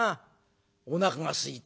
おなかがすいた。